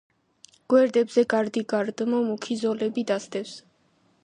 გვერდებზე გარდიგარდმო მუქი ზოლები დასდევს.